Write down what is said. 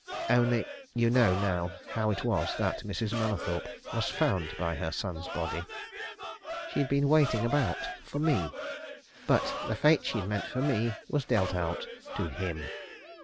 Only you know now how it was that Mrs. Mallathorpe was found by her son's body. She'd been waiting about for me! But the fate she'd meant for me was dealt out to him!"